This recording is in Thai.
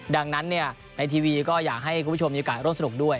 ดังนั้นในทีวีก็อยากให้คุณผู้ชมมีโอกาสร่วมสนุกด้วย